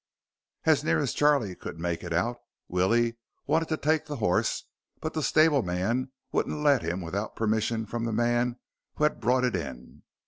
As near as Charlie could make it out, Willie wanted to take the horse, but the stableman wouldn't let him without permission from the man who had brought it in.